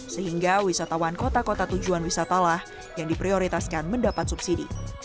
sehingga wisatawan kota kota tujuan wisatalah yang diprioritaskan mendapat subsidi